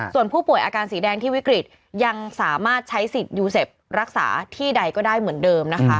ส่วนผู้ป่วยอาการสีแดงที่วิกฤตยังสามารถใช้สิทธิ์ยูเซฟรักษาที่ใดก็ได้เหมือนเดิมนะคะ